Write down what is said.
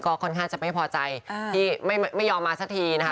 ก็ค่อนข้างจะไม่พอใจที่ไม่ยอมมาสักทีนะคะ